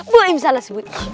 boim salah si bule